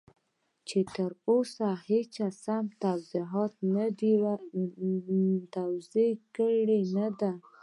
چې تر اوسه هېچا سم توضيح کړی نه دی.